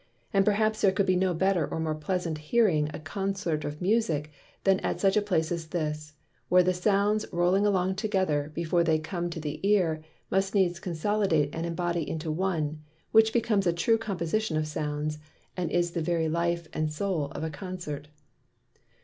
And perhaps there could be no better or more pleasant hearing a Consort of Musick than at such a place as this, where the Sounds rowling along together, before they come to the Ear, must needs consolidate and imbody into one; which becomes a true composition of Sounds, and is the very Life and Soul of Consort.